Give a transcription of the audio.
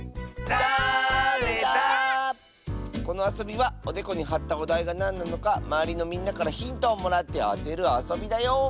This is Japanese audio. このあそびはおでこにはったおだいがなんなのかまわりのみんなからヒントをもらってあてるあそびだよ！